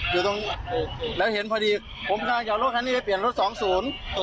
อยู่ตรงแล้วเห็นพอดีผมกำลังจอดรถคันนี้ไปเปลี่ยนรถสองศูนย์